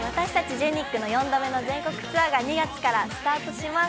ＧＥＮＩＣの４度目の全国ツアーが２月からスタートします。